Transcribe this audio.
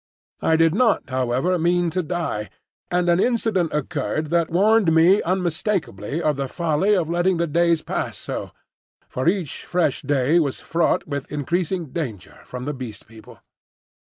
I did not, however, mean to die, and an incident occurred that warned me unmistakably of the folly of letting the days pass so,—for each fresh day was fraught with increasing danger from the Beast People.